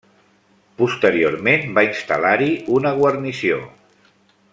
Posteriorment va instal·lar-hi una guarnició.